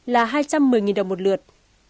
là hai trăm một mươi đồng một lượt